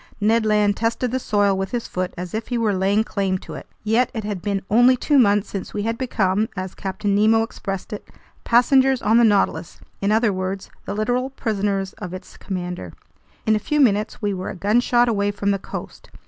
Ned Land tested the soil with his foot, as if he were laying claim to it. Yet it had been only two months since we had become, as Captain Nemo expressed it, "passengers on the Nautilus," in other words, the literal prisoners of its commander. In a few minutes we were a gunshot away from the coast.